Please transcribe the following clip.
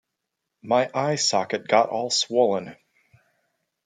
My eye socket got all swollen.